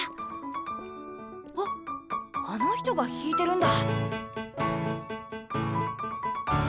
あっあの人が弾いてるんだ。